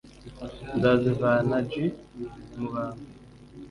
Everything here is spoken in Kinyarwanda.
Nzazivana j mu bantu